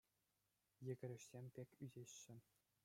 Йӗкӗрешсем пек ӳсеҫҫӗ.